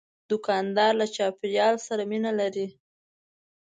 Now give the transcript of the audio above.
دوکاندار له چاپیریال سره مینه لري.